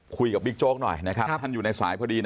คุยกับปิ๊กโจ๊กหน่อยท่านอยู่ในสายพอดี